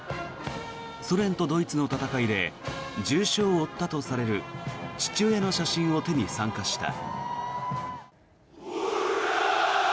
ソ連とドイツの戦いで重傷を負ったとされる父親の写真を手に参加した。